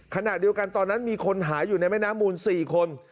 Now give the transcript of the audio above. ขณะเดียวกันตอนนั้นมีคนหายอยู่ในแม่น้ำมูล๔คน